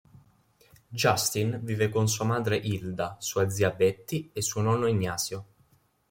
Justin vive con sua madre Hilda, sua zia Betty e suo nonno Ignacio.